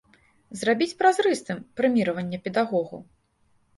Зрабіць празрыстым прэміраванне педагогаў.